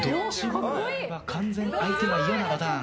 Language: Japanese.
完全に相手が嫌なパターン。